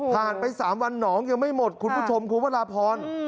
ไป๓วันหนองยังไม่หมดคุณผู้ชมคุณพระราพร